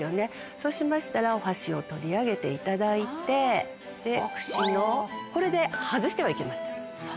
そうしましたらお箸を取り上げていただいてで串のこれで外してはいけません。